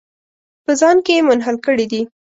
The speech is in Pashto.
په ځان کې یې منحل کړي دي.